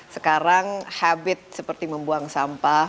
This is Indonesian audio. sekarang habit seperti membuang sampah